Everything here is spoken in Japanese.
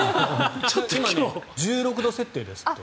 今、１６度設定ですって。